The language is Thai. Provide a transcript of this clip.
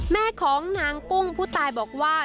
แม่ของนางกุ้งผู้ตายบอกว่า